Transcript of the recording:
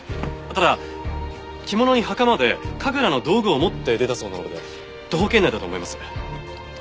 ただ着物に袴で神楽の道具を持って出たそうなので徒歩圏内だと思います。